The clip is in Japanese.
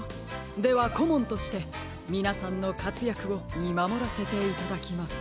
ではこもんとしてみなさんのかつやくをみまもらせていただきます。